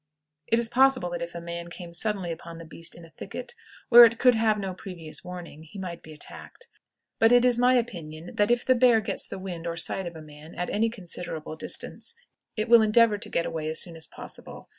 It is possible that if a man came suddenly upon the beast in a thicket, where it could have no previous warning, he might be attacked; but it is my opinion that if the bear gets the wind or sight of a man at any considerable distance, it will endeavor to get away as soon as possible.